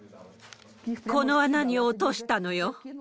この穴に落としたのよ。